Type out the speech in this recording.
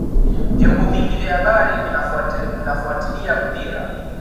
vyombo vingi vya habari vinafuatilia mpira